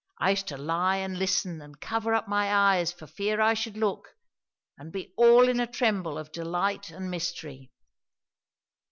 I used to lie and listen and cover up my eyes for fear I should look, and be all in a tremble of delight and mystery."